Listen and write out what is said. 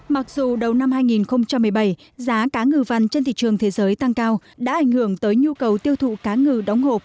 mặc dù đầu năm hai nghìn một mươi bảy giá cá ngừ vằn trên thị trường thế giới tăng cao đã ảnh hưởng tới nhu cầu tiêu thụ cá ngừ đóng hộp